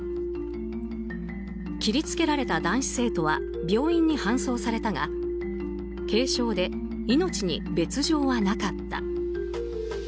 切りつけられた男子生徒は病院に搬送されたが軽傷で命に別条はなかった。